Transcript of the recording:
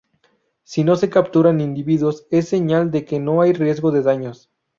Si no se capturan individuos, es señal de que no hay riesgo de daños.